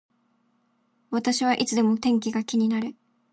私はいつでも天気が気になる